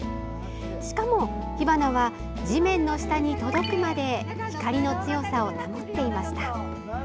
しかも、火花は地面の下に届くまで光の強さを保っていました。